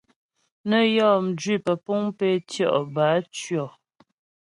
Nə́ yɔ́ mjwi pəpuŋ pé tʉɔ' bə á tʉɔ̀.